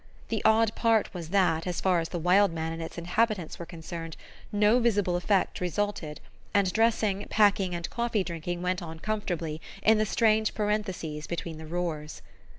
The odd part was that, as far as the Wild Man and its inhabitants were concerned, no visible effects resulted, and dressing, packing and coffee drinking went on comfortably in the strange parentheses between the roars.